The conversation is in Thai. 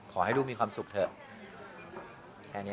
ขอให้ลูกมีความสุขเถอะแค่นี้